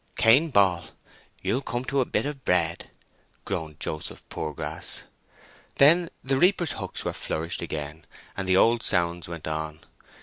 "Cain Ball, you'll come to a bit of bread!" groaned Joseph Poorgrass. Then the reapers' hooks were flourished again, and the old sounds went on.